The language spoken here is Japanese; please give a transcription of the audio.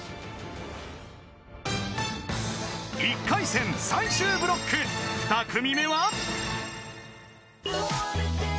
［１回戦最終ブロック２組目は］